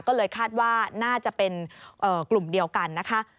ก็เลยคาดว่าน่าจะเป็นกลุ่มเดียวกันนะคะ